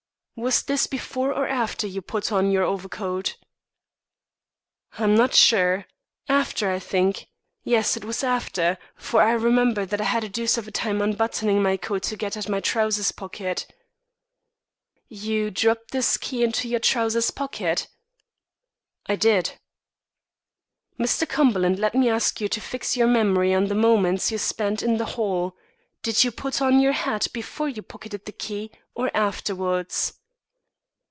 "Was this before or after you put on your overcoat?" "I'm not sure; after, I think. Yes, it was after; for I remember that I had a deuce of a time unbuttoning my coat to get at my trousers' pocket." "You dropped this key into your trousers' pocket?" "I did." "Mr. Cumberland, let me ask you to fix your memory on the moments you spent in the hall. Did you put on your hat before you pocketed the key, or afterwards?"